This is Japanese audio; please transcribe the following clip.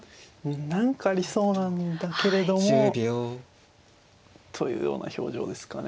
何かありそうなんだけれどもというような表情ですかね。